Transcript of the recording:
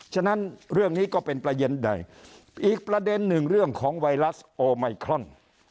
ฉะนั้นเรื่องนี้ก็เป็นประเด็นใดอีกประเด็นหนึ่งเรื่องของไวรัสโอไมครอน